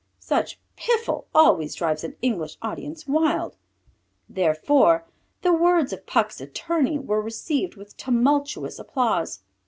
Such piffle always drives an English audience wild. Therefore the words of Puck's attorney were received with tumultuous applause.